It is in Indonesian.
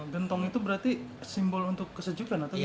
gentong itu berarti simbol untuk kesejukan atau gimana